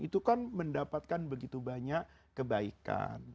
itu kan mendapatkan begitu banyak kebaikan